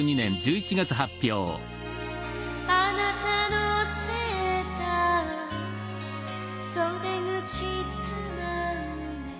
「あなたのセーター袖口つまんで」